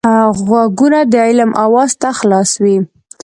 غوږونه د علم آواز ته خلاص وي